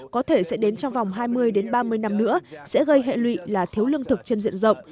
có thể sẽ đến trong vòng hai mươi ba mươi năm nữa sẽ gây hệ lụy là thiếu lương thực trên diện rộng